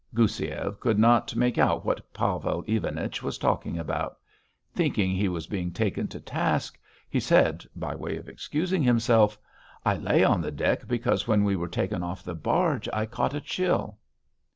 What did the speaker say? Goussiev could not make out what Pavel Ivanich was talking about; thinking he was being taken to task, he said by way of excusing himself: "I lay on the deck because when we were taken off the barge I caught a chill."